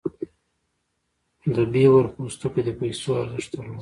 د بیور پوستکی د پیسو ارزښت درلود.